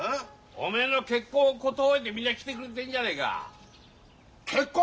おめえの結婚を寿いでみんな来てくれてんじゃねえか。結婚！？